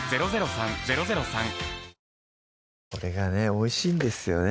おいしいんですよね